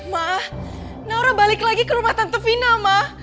ma naura balik lagi ke rumah tante fina ma